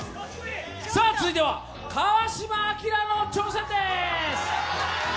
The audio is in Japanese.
続いては川島明の挑戦です！